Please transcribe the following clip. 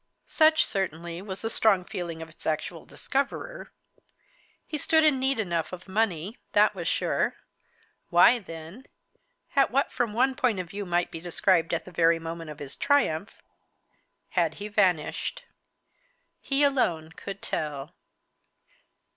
Such, certainly, was the strong feeling of its actual discoverer. He stood in need enough of money; that was sure. Why then, at what from one point of view might be described as the very moment of his triumph, had he vanished? He alone could tell.